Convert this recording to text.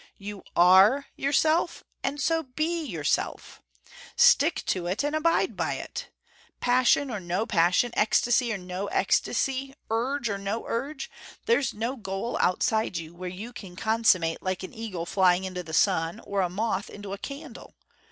You ARE yourself and so BE yourself. Stick to it and abide by it. Passion or no passion, ecstasy or no ecstasy, urge or no urge, there's no goal outside you, where you can consummate like an eagle flying into the sun, or a moth into a candle.